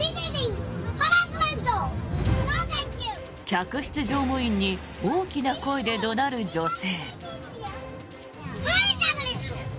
客室乗務員に大きな声で怒鳴る女性。